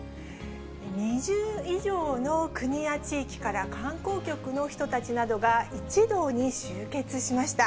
２０以上の国や地域から、観光局の人たちなどが一堂に集結しました。